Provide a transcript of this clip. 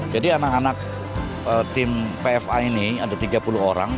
jadi anak anak tim pfa ini ada tiga puluh orang